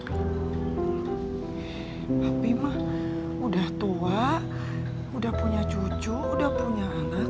habimah udah tua udah punya cucu udah punya anak